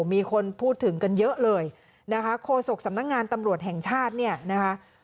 มีคนพูดถึงกันเยอะเลยนะคะโคศกสำนักงานตำรวจแห่งชาติเนี่ยนะคะ